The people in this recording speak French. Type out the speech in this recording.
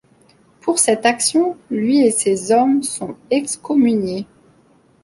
Pour cette action, lui et ses hommes sont excommuniés.